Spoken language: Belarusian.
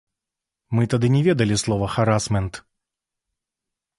Мы тады не ведалі слова харасмент.